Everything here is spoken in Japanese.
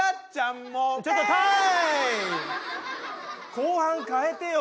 後半変えてよ！